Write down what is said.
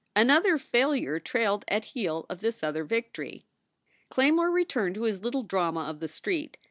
Another failure trailed at heel of this other victory. Clay more returned to his little drama of the street.